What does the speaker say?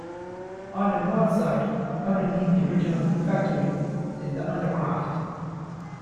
On the north side, underneath the original refectory, is the undercroft.